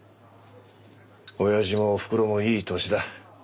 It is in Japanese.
おやじもおふくろもいい年だ。